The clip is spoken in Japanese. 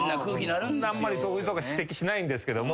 あんまりそういうとこ指摘しないんですけども。